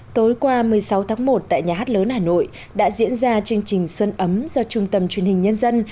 tối qua một mươi sáu tháng một tại nhà hát lớn hà nội đã diễn ra chương trình xuân ấm do trung tâm truyền hình nhân dân